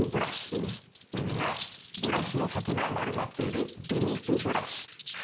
右がブラシの先が丸まっているループブラシ。